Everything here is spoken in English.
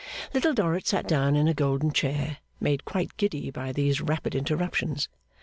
Little Dorrit sat down in a golden chair, made quite giddy by these rapid interruptions.